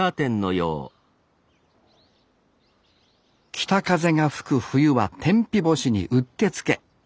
北風が吹く冬は天日干しにうってつけ。